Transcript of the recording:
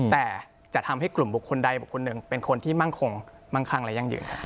แต่จะทำให้กลุ่มบุคคลใดบุคคลหนึ่งเป็นคนที่มั่งคงมั่งคั่งและยั่งยืน